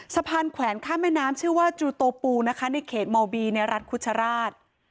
แขวนข้ามแม่น้ำชื่อว่าจูโตปูนะคะในเขตเมาบีในรัฐคุชราช